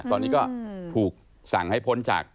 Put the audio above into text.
ตอนนี้ก็ถูกสั่งให้พ้นจาก